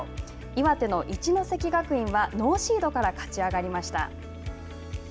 岩手の一関学院はノーシードから勝ち上がりました。